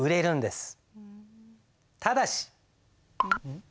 ただし。